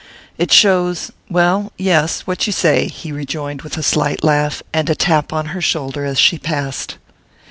"It shows well, yes what you say!" he rejoined with a slight laugh, and a tap on her shoulder as she passed.